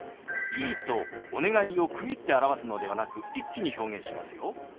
「いい」と「お願い」を区切って表すのではなく一気に表現しますよ。